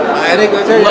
pak erik tohir